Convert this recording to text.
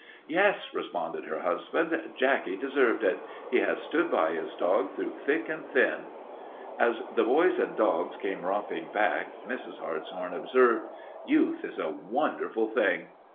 "Yes," responded her husband, "Jacky deserved it. He has stood by his dog through thick and thin." As the boys and dogs came romping back, Mrs. Hartshorn observed, "Youth is a wonderful thing."